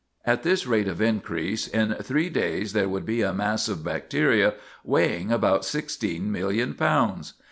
At this rate of increase, in three days there would be a mass of bacteria weighing about sixteen million pounds.